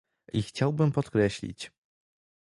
I chciałbym podkreślić